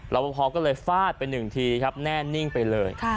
ประพอก็เลยฟาดไปหนึ่งทีครับแน่นิ่งไปเลย